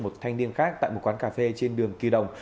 một thanh niên khác tại một quán cà phê trên đường kỳ đồng